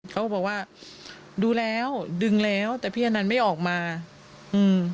เขาบอกว่าดูแล้วดึงแล้วแต่พี่อนันต์ไม่ออกมาอืม